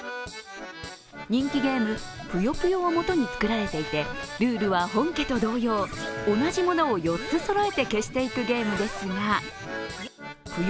人気ゲーム「ぷよぷよ」をもとに作られていてルールは本家と同様同じものを４つそろえて消していくゲームですがぷよ